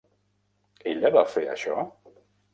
Ella va fer això?